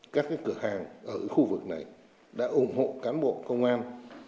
các cửa hàng ở khu vực này đã ủng hộ cán bộ công an